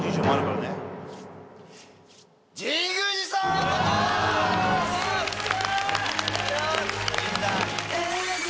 ありがとうございます！